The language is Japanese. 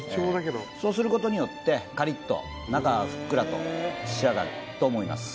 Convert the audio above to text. そうすることによってカリッと中はふっくらと仕上がると思います